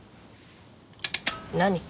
何？